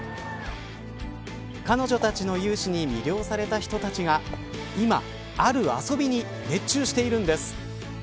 彼女たちの雄姿に魅了された人たちが今ある遊びに熱中しているんです。